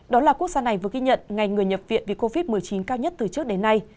đó là quốc gia này vừa ghi nhận ngày người nhập viện vì covid một mươi chín cao nhất từ trước đến nay